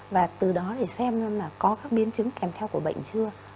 và từ đó để xem xem là có các biến chứng kèm theo của bệnh chưa